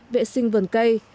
vệ sinh vườn cây